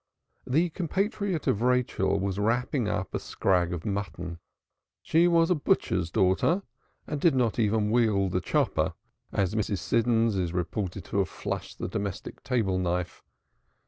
The compatriot of Rachel was wrapping up a scrag of mutton. She was a butcher's daughter and did not even wield the chopper, as Mrs. Siddons is reputed to have flourished the domestic table knife.